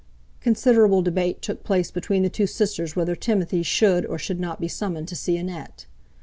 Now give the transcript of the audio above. Considerable debate took place between the two sisters whether Timothy should or should not be summoned to see Annette.